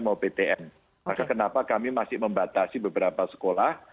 maka kenapa kami masih membatasi beberapa sekolah